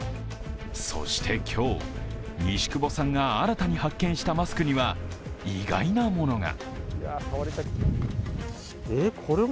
そして今日、西久保さんが新たに発見したマスクには意外なものが。